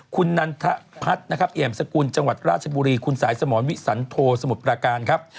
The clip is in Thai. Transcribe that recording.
คุณนันทพัฒน์นะครับเอี่ยมสกุลจังหวัดราชบุรีคุณสายสมรวิสันโทสมุทรประการครับ